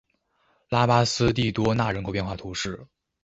拉巴斯蒂多纳人口变化图示